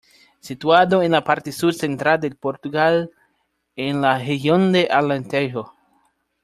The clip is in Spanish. Situado en la parte Sur Central de Portugal, en la región de Alentejo.